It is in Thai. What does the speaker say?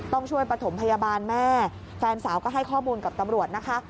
ต้องช่วยประถมพยาบาลแม่แฟนสาวก็ให้ข้อมูลกับตำรวจนะคะ